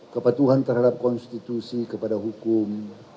kepatuhan terhadap konstitusi kepada hukum